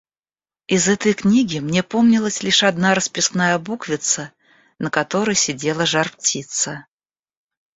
Из этой книги мне помнилась лишь одна расписная буквица, на которой сидела жар-птица.